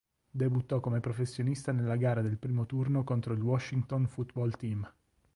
Debuttò come professionista nella gara del primo turno contro il Washington Football Team.